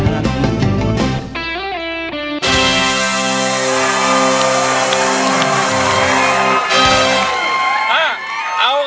เอ้าเอากับเขาสิ